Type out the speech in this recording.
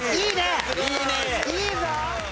いいぞ。